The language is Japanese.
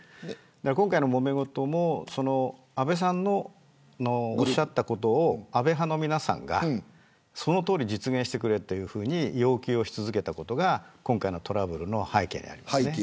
今回のもめ事も安倍さんのおっしゃったことを安倍派の皆さんがそのとおり実現してくれと要求をし続けたことが今回のトラブルの背景です。